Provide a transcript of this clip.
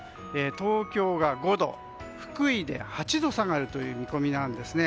東京が５度、福井で８度下がるという見込みなんですね。